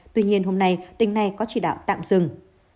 tuy nhiên hôm nay tỉnh này có chỉ đạo tạm dừng